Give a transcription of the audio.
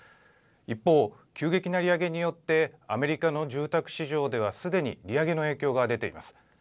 一方、急激な利上げによってアメリカの住宅市場ではすでに利上げの影響が出ています。